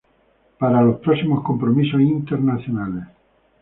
Para los próximos compromisos internacionales.